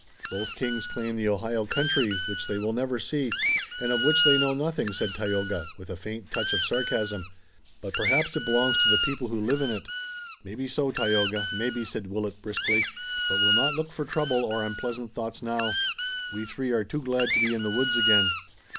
"Both Kings claim the Ohio country, which they will never see, and of which they know nothing," said Tayoga, with a faint touch of sarcasm, "but perhaps it belongs to the people who live in it." "Maybe so, Tayoga! Maybe!" said Willet briskly, "but we'll not look for trouble or unpleasant thoughts now. We three are too glad to be in the woods again.